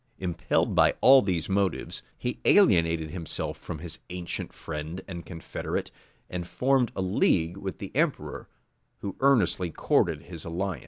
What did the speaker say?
Impelled by all these motives, he alienated himself from his ancient friend and confederate, and formed a league with the emperor, who earnestly courted his alliance.